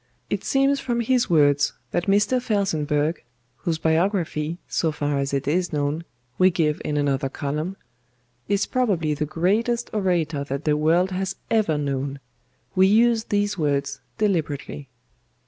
It seems from his words that Mr. FELSENBURGH (whose biography, so far as it is known, we give in another column) is probably the greatest orator that the world has ever known we use these words deliberately.